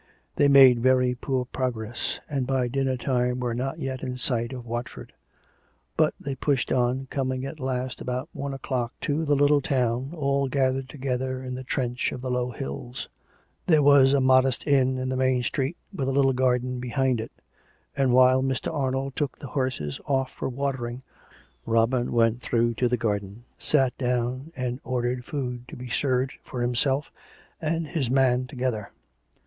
They made very poor progress, and by dinner time were not yet in sight of Wat ford. But they pushed on, coming at last about one o'clock to that little town, all gathered together in the trench of the low hills. There was a modest inn in the main street, with a little garden behind it; and while Mr. Ar nold took the horses oflf for watering, Robin went through to the garden, sat down, and ordered food to be served for himself and his man together.